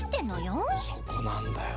そこなんだよ。